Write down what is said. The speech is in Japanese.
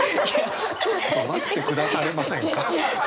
ちょっと待ってくださいませんか？